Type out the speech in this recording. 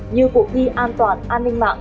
như cuộc thi an toàn an ninh mạng